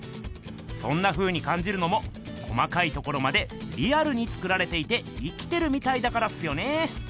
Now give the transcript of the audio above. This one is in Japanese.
そんなふうにかんじるのも細かいところまでリアルに作られていて生きてるみたいだからっすよね。